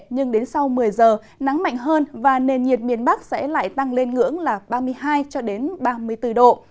nhưng đến sau một mươi giờ nắng mạnh hơn và nền nhiệt miền bắc sẽ lại tăng lên ngưỡng là ba mươi hai ba mươi bốn độ